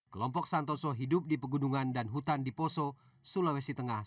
kelompok santoso hidup di pegunungan dan hutan di poso sulawesi tengah